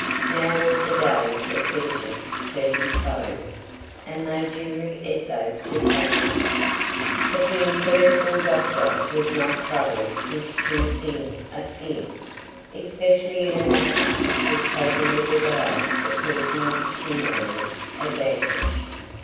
Now was the day of vengeance for his foes, and they duly essayed to take it. But the imperturbable Doctor was not troubled with too thin a skin, especially in a matter which was totally devoid of personal pecuniary advantage.